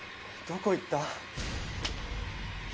どこ行った？